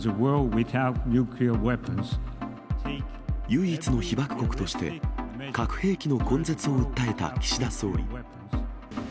唯一の被爆国として、核兵器の根絶を訴えた岸田総理。